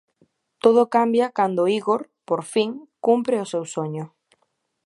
Todo cambia cando Igor, por fin, cumpre o seu soño.